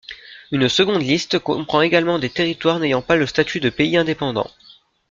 Une seconde liste comprend également des territoires n’ayant pas le statut de pays indépendant.